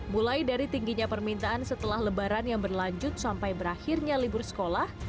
mulai dari tingginya permintaan setelah lebaran yang berlanjut sampai berakhirnya libur sekolah